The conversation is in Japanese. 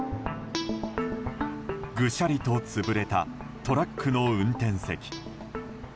ぐしゃりと潰れたトラックの運転席。